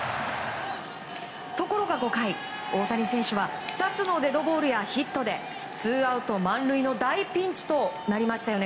ところが５回、大谷選手は２つのデッドボールやヒットでツーアウト満塁の大ピンチとなりましたよね